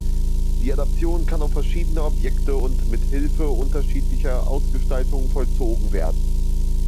Die Adaption kann auf verschiedene Objekte und mit Hilfe unterschiedlicher Ausgestaltungen vollzogen werden.